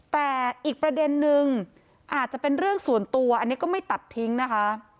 แต่อีกประเด็นนึงอาจจะเป็นเรื่องส่วนตัวอันนี้ก็ไม่ตัดทิ้งนะคะ